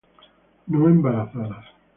no embarazadas